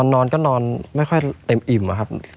ไม่มีครับไม่มีครับ